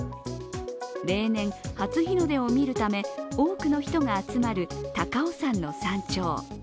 例年、初日の出を見るため多くの人が集まる高尾山の山頂。